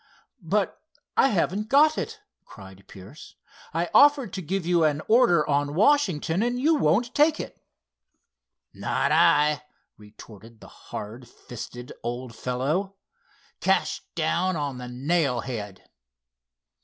"But I haven't got it," cried Pierce. "I offered to give you an order on Washington, and you won't take it." "Not I," retorted the hard fisted old fellow. "Cash down on the nail head."